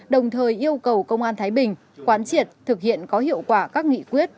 đồng thời yêu cầu công an thái bình quán triệt thực hiện có hiệu quả các nghị quyết